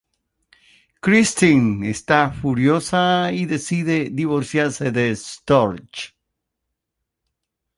Christine está furiosa y decide divorciarse de Storch.